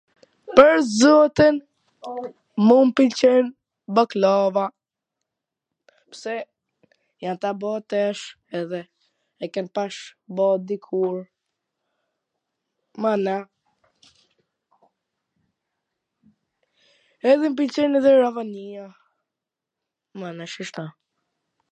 pwr zotin, mu m pwlqen baklava, pse jam ta bo tesh, po edhe e kem pas bo dikur, mana, edhe m pwlqen dhe ravania, mana, shishto